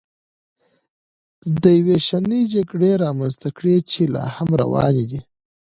دې وېشنې جګړې رامنځته کړې چې لا هم روانې دي